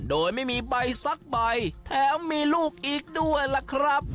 โดยไม่มีใบสักใบแถมมีลูกอีกด้วยล่ะครับ